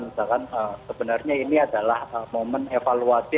misalkan sebenarnya ini adalah momen evaluasi